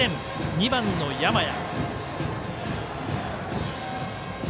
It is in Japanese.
２番の山家。